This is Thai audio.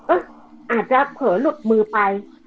อาจจะเผลอหลุดมือไป